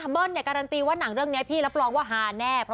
เบิ้ลการันตีว่าหนังเรื่องนี้พี่รับรองว่าฮาแน่